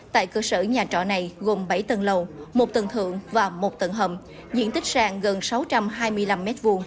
tại cơ sở nhà trọ này gồm bảy tầng lầu một tầng thượng và một tầng hầm diện tích sàn gần sáu trăm hai mươi năm m hai